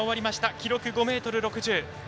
記録５ｍ６０。